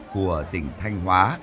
của tỉnh thanh hóa